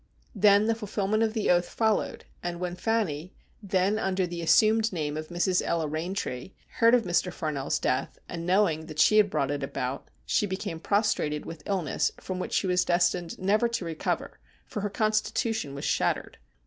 Then the fulfilment of the oath followed, and when Fanny, then under the assumed name of Mrs. Ella Eaintree, heard of Mr. Farnell's death, and knowing that she had brought it about, she became prostrated with illness from which she was destined never to recover, for her constitution was shattered.